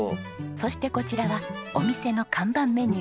そしてこちらはお店の看板メニュー